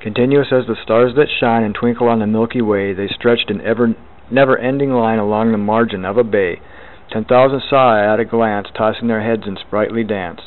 Continuous as the stars that shine And twinkle on the milky way, The stretched in never ending line Along the margin of a bay: Ten thousand saw I at a glance, Tossing their heads in sprightly dance.